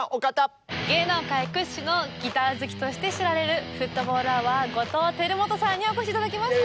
芸能界屈指のギター好きとして知られるフットボールアワー後藤輝基さんにお越し頂きました！